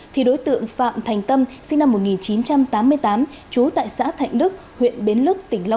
thì đối tượng phạm thành tâm sinh năm một nghìn chín trăm tám mươi tám trú tại xã thạnh đức huyện bến lức tỉnh long